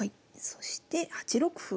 そして８六歩。